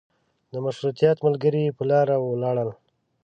د مشروطیت ملګري په لاره ولاړل.